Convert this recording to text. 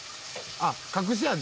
「あっ隠し味？」